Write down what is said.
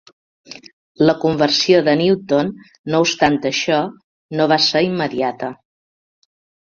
La conversió de Newton, no obstant això, no va ser immediata.